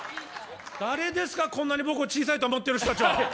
誰ですか、こんなに僕を小さいと思っている人たちは。